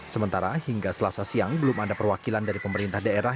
sementara hingga selasa siang belum ada perwakilan dari pemerintah daerah